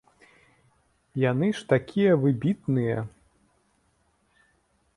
Яны ж такія выбітныя!